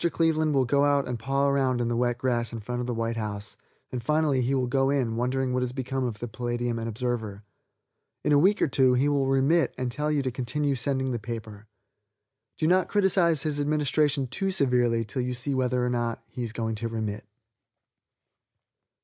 Cleveland will go out and paw around in the wet grass in front of the white house, and finally he will go in, wondering what has become of the Palladium and Observer. In a week or two he will remit and tell you to continue sending the paper. Do not criticise his administration too severely till you see whether he is going to remit or not.